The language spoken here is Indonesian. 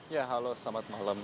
ya halo selamat malam